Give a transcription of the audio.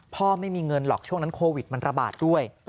ไม่มีเงินหรอกช่วงนั้นโควิดมันระบาดด้วย